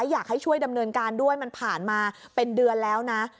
อยากให้ช่วยดำเนินการด้วยมันผ่านมาเป็นเดือนแล้วนะ